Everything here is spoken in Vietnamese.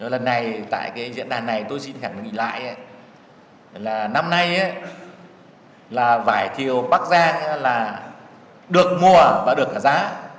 lần này tại diễn đàn này tôi xin hẳn nghĩ lại là năm nay vải thiều bắc giang được mua và được cả giá